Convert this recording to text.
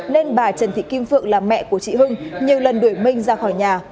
nên bà trần thị kim phượng là mẹ của chị hưng nhiều lần đuổi minh ra khỏi nhà